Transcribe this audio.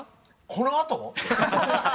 このあと！？